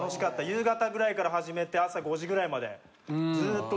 夕方ぐらいから始めて朝５時ぐらいまでずーっと飲んでて。